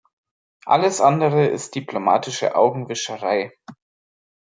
Alles andere ist diplomatische Augenwischerei.